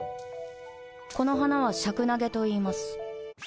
この花はシャクナゲといいます。